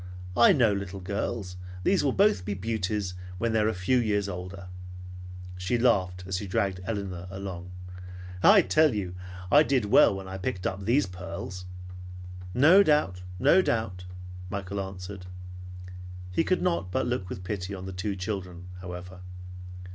I know little girls. These will both be beauties when they are a few years older." She laughed as she dragged Elinor along. "I tell you I did well when I picked up these pearls." "No doubt; no doubt!" Michael answered. He could not but look with pity on the two children however.